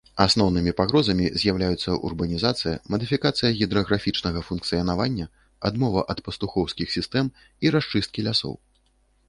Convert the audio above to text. Асноўнымі пагрозамі з'яўляюцца урбанізацыя, мадыфікацыя гідраграфічнага функцыянавання, адмова ад пастухоўскіх сістэм і расчысткі лясоў.